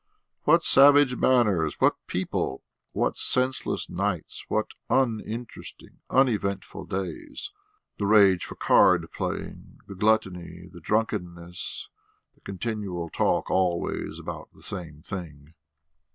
What savage manners, what people! What senseless nights, what uninteresting, uneventful days! The rage for card playing, the gluttony, the drunkenness, the continual talk always about the same thing.